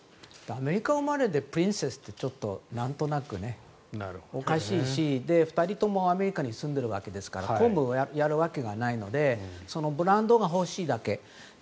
アメリカ生まれでプリンセスってなんとなくおかしいし２人ともアメリカに住んでるわけですから公務をやるわけないのでブランドが欲しいだけ。